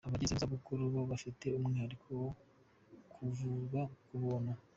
Abageze mu zabukuru bo bafite umwihariko wo kuvurwa ku buntu.